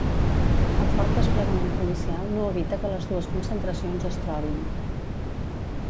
El fort desplegament policial no evita que les dues concentracions es trobin.